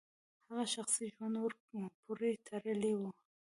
هغه شخصي ژوند ورپورې تړلی و.